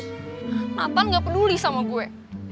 kenapa nggak peduli sama gue